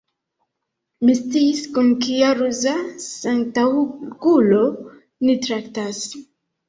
Mi sciis, kun kia ruza sentaŭgulo ni traktas.